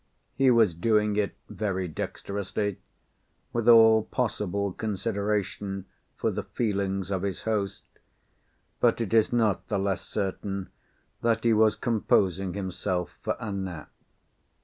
He was doing it very dexterously—with all possible consideration for the feelings of his host—but it is not the less certain that he was composing himself for a nap.